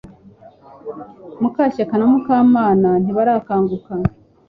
Mukashyaka na Mukamana ntibarakanguka